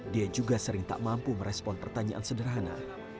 dia juga sering tak mampu merespon pertanyaan sederhana